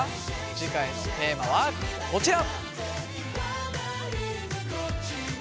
次回のテーマはこちら！